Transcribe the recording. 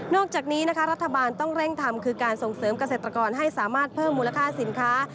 จากนี้นะคะรัฐบาลต้องเร่งทำคือการส่งเสริมเกษตรกรให้สามารถเพิ่มมูลค่าสินค้า